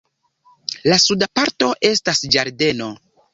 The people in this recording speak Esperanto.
La suda parto estas ĝardeno.